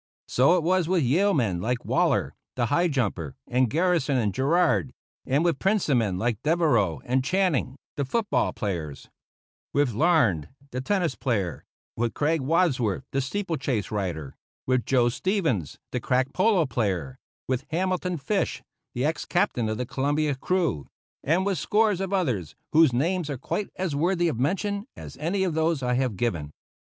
So it was with Yale men like Waller, the high jumper, and Garrison and Girard; and with Princeton men like Devereux and Channing, the foot ball players; with Larned, the tennis player; with Craig Wadsworth, the steeple chase rider; with Joe Stevens, the crack polo player; with Hamilton Fish, the ex captain of the Columbia crew, and with scores of others whose names are quite as worthy of mention as any of those I have given.